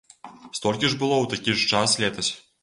Столькі ж было ў такі ж час летась.